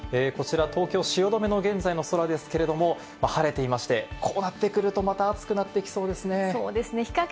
こちら東京・汐留の現在の空ですけれども晴れていまして、こうなってくるとまた暑くなってきそうですね。